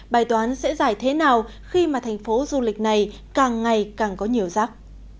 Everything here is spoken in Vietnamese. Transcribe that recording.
bài toán sẽ dài thế nào khi mà thành phố du lịch này càng ngày càng có nhiều rắc